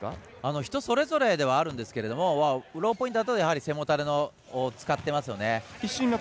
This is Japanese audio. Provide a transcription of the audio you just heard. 人それぞれではあるんですけどローポインターは背もたれを使ってますね。